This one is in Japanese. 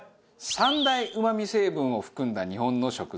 三大うま味成分を含んだ日本の食材です。